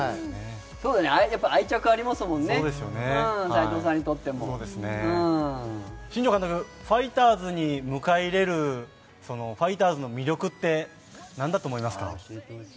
やっぱり愛着ありますもん、斎藤さんにとっても。新庄監督、ファイターズに迎え入れる、ファイターズの魅力って何だと思いますか？